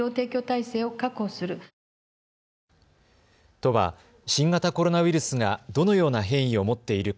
都は新型コロナウイルスがどのような変異を持っているか